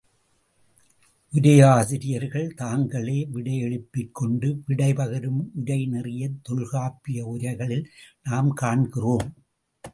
உரையாசிரியர்கள் தாங்களே விடையெழுப்பிக் கொண்டு விடை பகரும் உரை நெறியைத் தொல்காப்பிய உரைகளில் நாம் காண்கிறோம்.